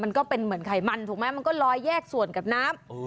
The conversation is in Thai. ก็เป็นเหมือนไขมันถูกไหมมันก็ลอยแยกส่วนกับน้ำ